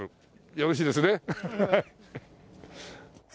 よろしいですね？